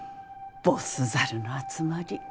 ボス猿の集まり。